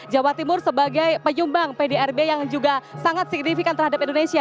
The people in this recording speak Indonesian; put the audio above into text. jawa timur sebagai penyumbang pdrb yang juga sangat signifikan terhadap indonesia